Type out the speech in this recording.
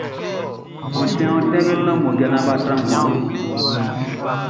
Ontin ontin be nɔn mmoja naan bʼa tran nguan nun.